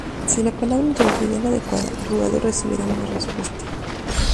Si la palabra introducida es la adecuada, el jugador recibirá una respuesta.